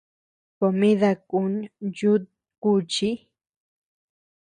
Comida kun yuta kuchi.